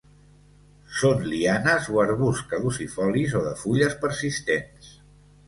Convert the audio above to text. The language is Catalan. Són lianes o arbusts caducifolis o de fulles persistents.